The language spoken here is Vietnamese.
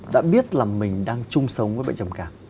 đã biết là mình đang chung sống với bệnh trầm cảm